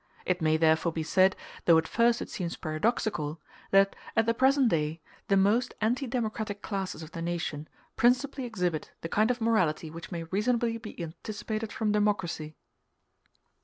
It may therefore be said, though at first it seems paradoxical, that, at the present day, the most anti democratic classes of the nation principally exhibit the kind of morality which may reasonably be anticipated from democracy.